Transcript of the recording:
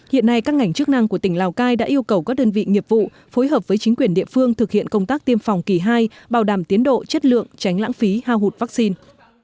hiện nay các ngành chức năng của tỉnh lào cai đã yêu cầu các đơn vị nghiệp vụ phối hợp với chính quyền địa phương thực hiện công tác tiêm phòng kỳ hai bảo đảm tiến độ chất lượng tránh lãng phí hao hụt vaccine